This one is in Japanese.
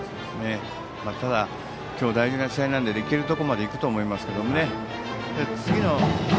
ただ、今日は大事な試合なので行けるところまで行くと思いますけどね。